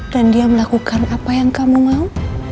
dan dia melakukan apa yang kamu mau